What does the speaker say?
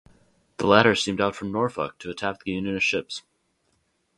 The latter steamed out from Norfolk to attack the Unionist ships.